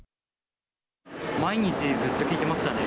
毎日ずっと聴いてましたね。